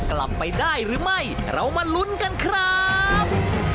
กลับไปได้หรือไม่เรามาลุ้นกันครับ